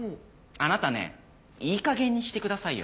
あなたねいいかげんにしてくださいよ。